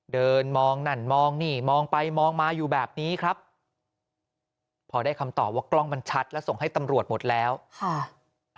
เดินมองนั่นมองนี่มองไปมองมาอยู่แบบนี้ครับพอได้คำตอบว่ากล้องมันชัดแล้วส่งให้ตำรวจหมดแล้วค่ะ